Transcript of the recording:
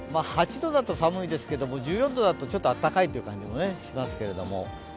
８度だと寒いですけど１４度だとちょっとあったかいという感じがしますけれども。